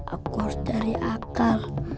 aku harus cari akal